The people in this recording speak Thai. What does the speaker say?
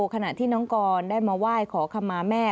ขณะที่น้องกรได้มาไหว้ขอคำมาแม่